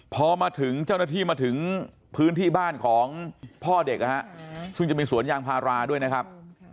พอมาถึงเจ้าหน้าที่มาถึงพื้นที่บ้านของพ่อเด็กนะฮะซึ่งจะมีสวนยางพาราด้วยนะครับ